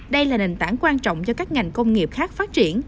đây là nền tảng quan trọng cho các ngành công nghiệp khác phát triển